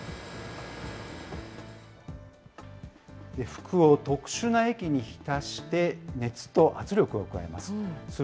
服を特殊な液に浸して、熱と圧力を加えます。